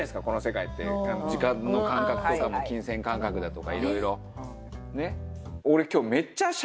この世界って時間の感覚とかも金銭感覚だとかいろいろねっ。